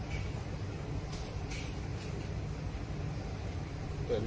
สวัสดีครับ